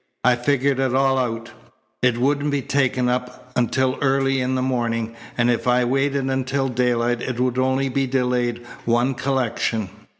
I figured it all out. It wouldn't be taken up until early in the morning, and if I waited until daylight it would only be delayed one collection.